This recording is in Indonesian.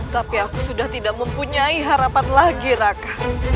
tapi aku sudah tidak mempunyai harapan lagi raka